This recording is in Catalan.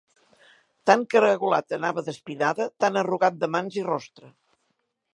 Tan caragolat anava d'espinada, tan arrugat de mans i rostre!